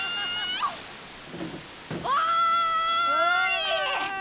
おい！